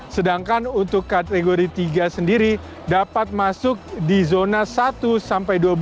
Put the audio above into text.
sedangkan untuk kategori tiga sendiri dapat masuk di zona satu sampai dua belas